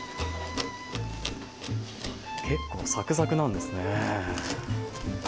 結構サクサクなんですね。